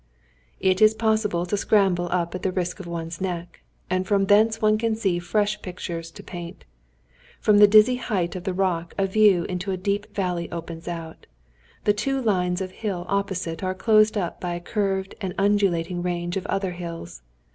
It is possible to scramble up at the risk of one's neck, and from thence one can see fresh pictures to paint. From the dizzy height of the rock a view into a deep valley opens out. The two lines of hill opposite are closed up by a curved and undulating range of other hills.